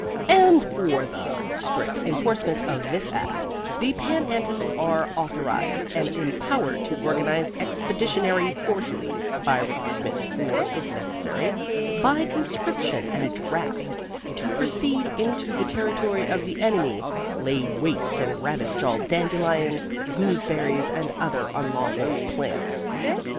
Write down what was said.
AND FOR THE strict enforcement of this Act, the Pan Antis are authorized and empowered to organize expeditionary forces, by recruitment or (if necessary) by conscription and draft, to proceed into the territory of the enemy, lay waste and ravage all dandelions, gooseberries and other unlawful plants.